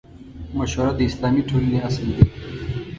مشوره د اسلامي ټولنې اصل دی.